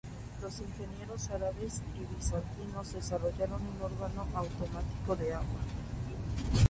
Los ingenieros árabes y bizantinos desarrollaron un órgano automático de agua.